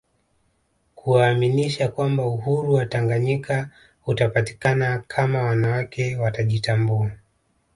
Kuwaaminisha kwamba Uhuru wa Tanganyika utapatikana kama wanawake watajitambua